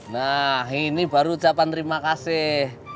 nah ini baru ucapan terima kasih